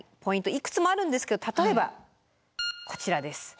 いくつもあるんですけど例えばこちらです。